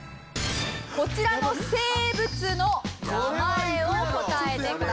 こちらの生物の名前を答えてください。